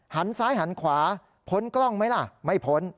หันซ้ายหันขวาพ้นกล้องไหมล่ะไม่พ้น